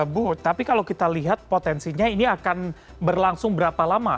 bu tapi kalau kita lihat potensinya ini akan berlangsung berapa lama